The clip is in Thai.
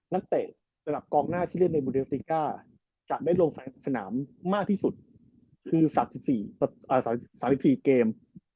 เตะระดับกองหน้าที่เล่นในบูเดลสติก้าจะได้ลงสนามมากที่สุดคือ๓๔เกม